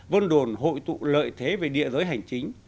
vân đồn hội tụ lợi thế về địa giới hành chính